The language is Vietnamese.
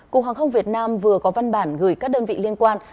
cục hàng không việt nam vừa có văn bản gửi các đơn vị liên quan